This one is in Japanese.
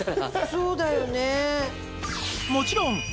そうだよね。